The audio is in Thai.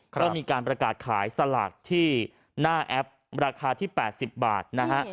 ก็มีการประกาศขายสลากที่หน้าแอปราคาที่๘๐บาทนะฮะ